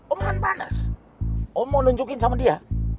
om kan panas om mau nunjukin sama dia